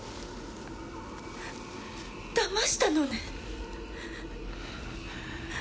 だましたのね？